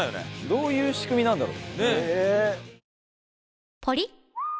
どういう仕組みなんだろう？